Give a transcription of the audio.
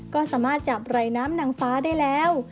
ก็สามารถจับไรน้ำนางฟ้าได้แล้ว